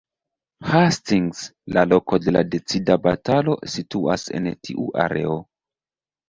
Hastings, la loko de la decida batalo situas en tiu areo.